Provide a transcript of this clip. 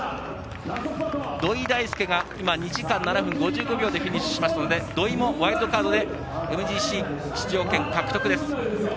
土井大輔が２時間７分５５秒でフィニッシュしますので土井もワイルドカードでＭＧＣ出場権獲得です。